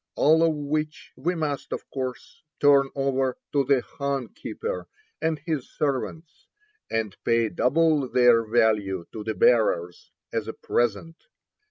all of which we must, of course, turn over to the khan keeper and his servants, and pay double their value to the bearers, as a present.